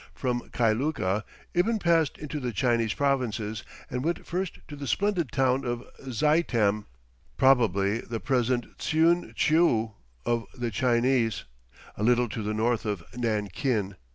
From Kailuka, Ibn passed into the Chinese provinces, and went first to the splendid town of Zaitem, probably the present Tsieun tcheou of the Chinese, a little to the north of Nankin.